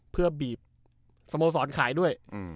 เพื่อบีบสโมสรขายด้วย